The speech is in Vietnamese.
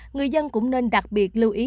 người dân cũng nên đặc biệt lưu ý